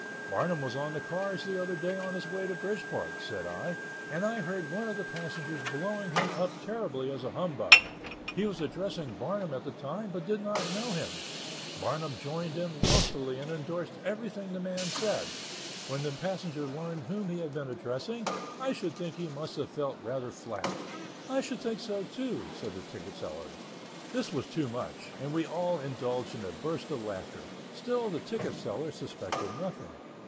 "Barnum was on the cars the other day, on his way to Bridgeport," said I, "and I heard one of the passengers blowing him up terribly as a humbug. He was addressing Barnum at the time, but did not know him. Barnum joined in lustily, and indorsed everything the man said. When the passenger learned whom he had been addressing, I should think he must have felt rather flat." "I should think so, too," said the ticket seller. This was too much, and we all indulged in a burst of laughter; still the ticket seller suspected nothing.